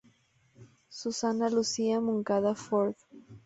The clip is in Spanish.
Susana Lucía Moncada Ford.